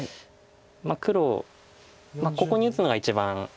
黒ここに打つのが一番。